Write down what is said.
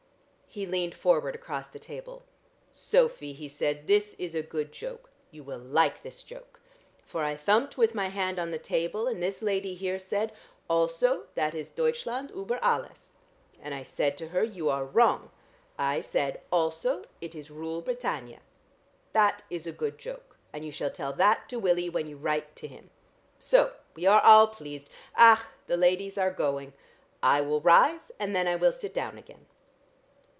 '" He leaned forward across the table. "Sophy," he said. "This is a good joke; you will like this joke. For I thumped with my hand on the table, and this lady here said, 'Also, that is "Deutschland über alles."' And I said to her, 'You are wrong.' I said. 'Also, it is "Rule Britannia."' That is a good joke, and you shall tell that to Willie when you write to him. So! We are all pleased. Ach! The ladies are going. I will rise, and then I will sit down again."